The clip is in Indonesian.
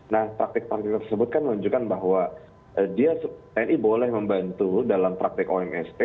nah praktik praktik tersebut kan menunjukkan bahwa dia tni boleh membantu dalam praktik omst